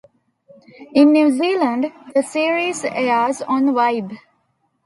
In New Zealand, the series airs on Vibe.